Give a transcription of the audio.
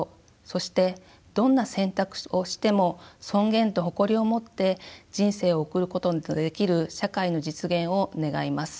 そしてどんな選択をしても尊厳と誇りを持って人生を送ることのできる社会の実現を願います。